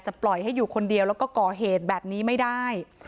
ปล่อยให้อยู่คนเดียวแล้วก็ก่อเหตุแบบนี้ไม่ได้